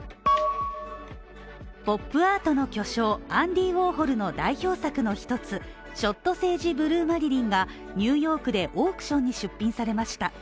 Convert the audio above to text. ポップアートの巨匠、アンディー・ウォーホルの代表作の１つ、「ショット・セージブルー・マリリン」がニューヨークでオークションに出品されました